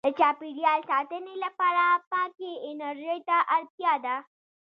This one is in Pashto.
• د چاپېریال ساتنې لپاره پاکې انرژۍ ته اړتیا ده.